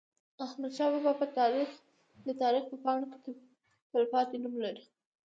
احمدشاه بابا د تاریخ په پاڼو کې تلپاتې نوم لري.